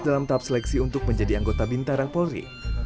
dalam tahap seleksi untuk menjadi anggota bintara polri